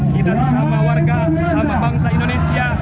kita sesama warga sesama bangsa indonesia